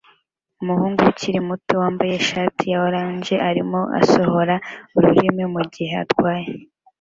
Umuhungu ukiri muto wambaye ishati ya orange arimo asohora ururimi mugihe atwaye